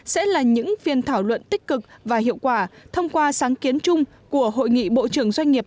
sẽ là những phiên thảo luận tích cực và hiệu quả thông qua sáng kiến chung của hội nghị bộ trưởng doanh nghiệp